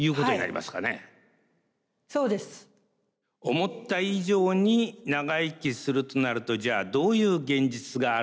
思った以上に長生きするとなるとじゃあどういう現実があるのか。